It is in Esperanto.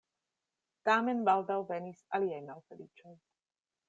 Tamen baldaŭ venis aliaj malfeliĉoj.